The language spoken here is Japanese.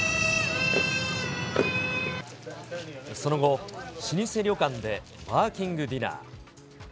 その後、老舗旅館でワーキングディナー。